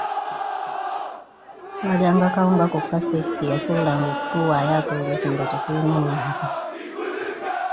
Twalyanga kawunga kokka Sseeki ke yasobolanga okutuwaayo ate oluusi nga tekuli na nva.